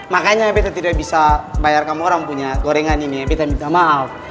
makanya kita tidak bisa bayar kamu orang punya gorengan ini kita minta maaf